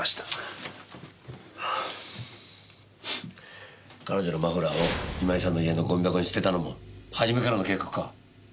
ハァ彼女のマフラーを今井さんの家のゴミ箱に捨てたのも初めからの計画か？